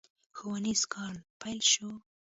ښوونيز کال پيل شو.